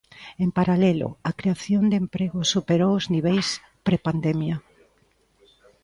En paralelo, a creación de emprego superou os niveis prepandemia.